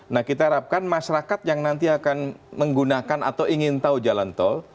nah kita harapkan masyarakat yang nanti akan menggunakan atau ingin tahu jalan tol